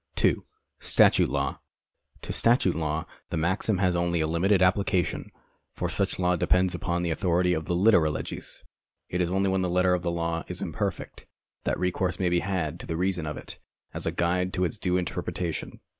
(2) Statute law. To statute law the maxim has only a limited applica tion, for such law depends upon the authority of the litera legis. It is only when the letter of the law is imperfect, that recourse may be had to the reason of it as a guide to its due interpretation.